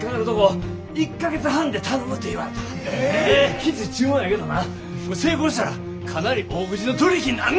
きつい注文やけどな成功したらかなり大口の取り引きになんねん。